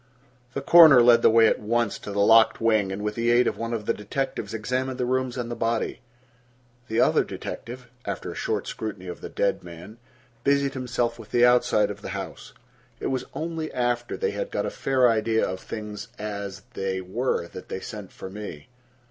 The coroner led the way at once to the locked wing, and with the aid of one of the detectives examined the rooms and the body. The other detective, after a short scrutiny of the dead man, busied himself with the outside of the house. It was only after they had got a fair idea of things as they were that they sent for me.